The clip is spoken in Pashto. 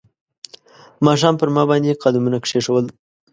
ماښام پر ما باندې قدمونه کښېښول